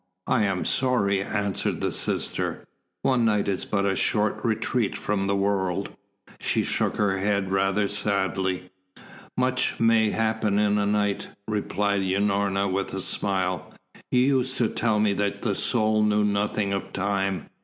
"I am sorry," answered the sister. "One night is but a short retreat from the world." She shook her head rather sadly. "Much may happen in a night," replied Unorna with a smile. "You used to tell me that the soul knew nothing of time.